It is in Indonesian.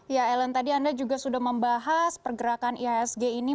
ya ellen tadi anda juga sudah membahas pergerakan ihsg ini